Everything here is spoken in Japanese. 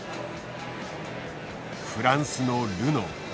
フランスのルノー。